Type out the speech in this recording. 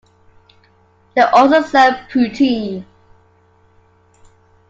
They also serve poutine.